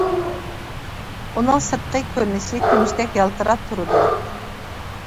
ئۇنىڭ سىرتقى كۆرۈنۈشى كۈمۈشتەك يالتىراپ تۇرىدۇ.